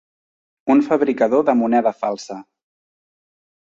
Un fabricador de moneda falsa.